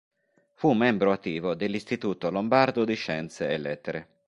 Fu membro attivo dell'Istituto lombardo di scienze e lettere.